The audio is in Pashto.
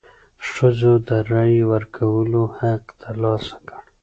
ښځو د رایې ورکولو حق تر لاسه کړ.